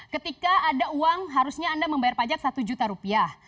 ketika ada uang harusnya anda membayar pajak satu juta rupiah